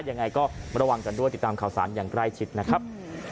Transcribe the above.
ยังไงก็ระวังกันด้วยติดตามข่าวสารอย่างใกล้ชิดนะครับ